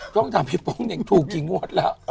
ต้องถามพี่ป้องเน่งถูกกี่งวดแล้ว